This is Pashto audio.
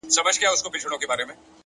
• خر که هر څه په ځان غټ وو په نس موړ وو,